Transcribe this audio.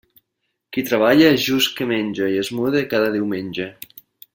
Qui treballa, és just que menge i es mude cada diumenge.